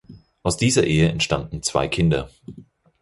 Aus dieser Ehe entstammten zwei Kinder.